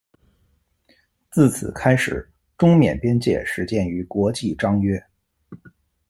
自此开始中缅边界始见于国际章约。